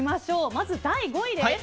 まず第５位です。